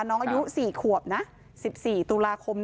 น้องอายุสี่ขวบนะ๑๔ตุลาคม